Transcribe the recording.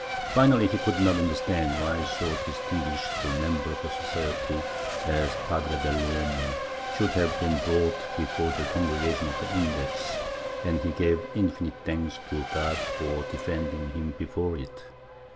Finally, he could not understand why so distinguished a member of the Society as Padre Bell' Uomo should have been brought before the Congregation of the Index, and he gave infinite thanks to God for defending him before it.